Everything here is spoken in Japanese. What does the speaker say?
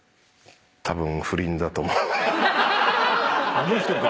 あの人か。